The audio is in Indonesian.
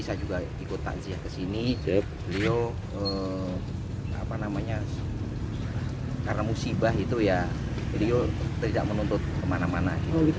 saya juga ikut tansiah kesini cep yo apa namanya karena musibah itu ya video tidak menuntut kemana mana